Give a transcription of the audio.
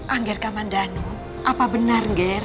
angger kamandanu apa benar ger